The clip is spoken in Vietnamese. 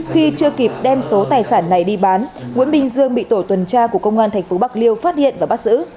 khi chưa kịp đem số tài sản này đi bán nguyễn minh dương bị tổ tuần tra của công an thành phố bạc liêu phát hiện và bắt giữ